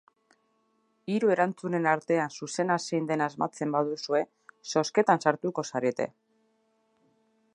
Hiru erantzunen artean zuzena zein den asmatzen baduzue, zozketan sartuko zarete!